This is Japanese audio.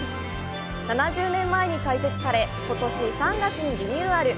７０年前に開設され、ことし３月にリニューアル。